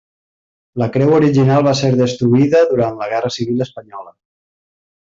La creu original va ser destruïda durant la Guerra Civil espanyola.